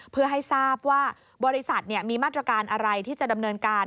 เพื่อให้ทราบว่าบริษัทมีมาตรการอะไรที่จะดำเนินการ